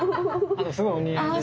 あすごいお似合いです。